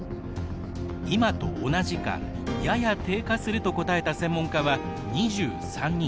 今と同じかやや低下すると答えた専門家は２３人。